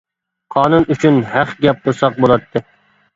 قانۇن ئۈچۈن ھەق گەپ قىلساق بولاتتى.